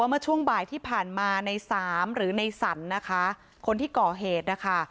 เมื่อช่วงบ่ายที่ผ่านมาในสามหรือในสรรนะคะคนที่ก่อเหตุนะคะ